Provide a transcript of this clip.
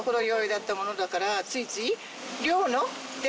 ついつい。